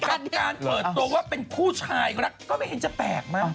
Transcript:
เป็นการเปิดตัวว่าเป็นผู้ชายรักก็ไม่เห็นจะแปลกมาก